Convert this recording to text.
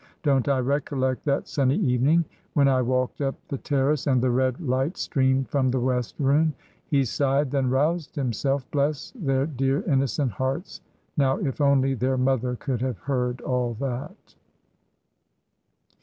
Don't I recollect that sunny evening when I walked up the terrace, and the red light streamed from the west room!" He sighed, then roused himself. "Bless their dear, innocent hearts. Now if only their mother could have heard all that!"